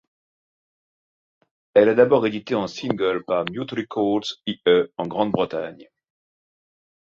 Elle est d'abord éditée en single par Mute Records le en Grande-Bretagne.